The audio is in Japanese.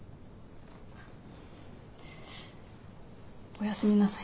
おやすみなさい。